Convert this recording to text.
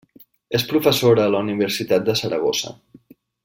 És professora a la Universitat de Saragossa.